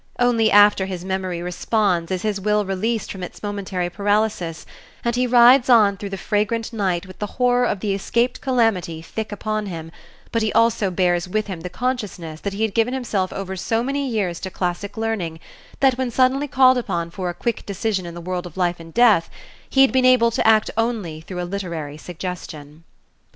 Only after his memory responds is his will released from its momentary paralysis, and he rides on through the fragrant night with the horror of the escaped calamity thick upon him, but he also bears with him the consciousness that he had given himself over so many years to classic learning that when suddenly called upon for a quick decision in the world of life and death, he had been able to act only through a literary suggestion.